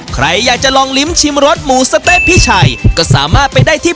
ใครอยากจะลองลิ้มชิมรสหมูสะเต๊ะพี่ชัยก็สามารถไปได้ที่